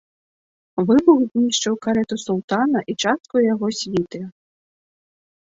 Выбух знішчыў карэту султана і частку яго світы.